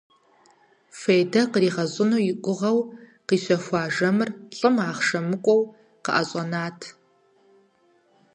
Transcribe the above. Фейдэ къригъэщӀын и гугъэу къищэхуа жэмыр лӀым ахъшэ мыкӀуэу къыӀэщӀэнат.